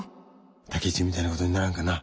武一みたいなことにならんかな？